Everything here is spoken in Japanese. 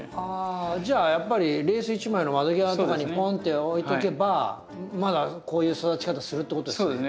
あじゃあやっぱりレース一枚の窓際とかにポンって置いとけばまだこういう育ち方するってことですよね。